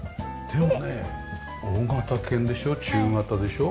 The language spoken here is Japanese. でもね大型犬でしょ。